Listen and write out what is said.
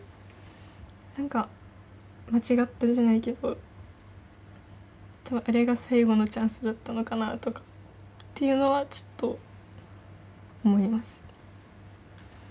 何か間違ってるじゃないけど多分あれが最後のチャンスだったのかなとかっていうのはちょっと思います。